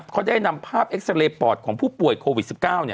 เขาได้นำภาพเอ็กซาเรย์ปอดของผู้ป่วยโควิด๑๙